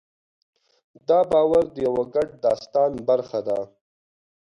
دا باور د یوه ګډ داستان برخه ده.